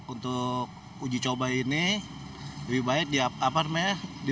untuk uji coba ini lebih baik